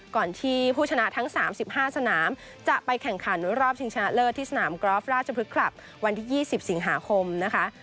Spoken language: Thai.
ก่อนที่ผู้ชนะทั้ง๓๕สนามจะไปแข่งขันรอบชิงชนะเลิศที่สนามกอล์ฟราชพฤกษลับวันที่๒๐สิงหาคมนะคะ